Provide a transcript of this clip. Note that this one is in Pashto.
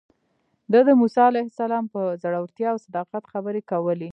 ده د موسی علیه السلام پر زړورتیا او صداقت خبرې کولې.